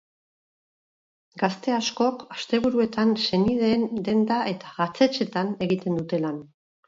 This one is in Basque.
Gazte askok asteburuetan senideen denda eta jatetxetan egiten dute lan.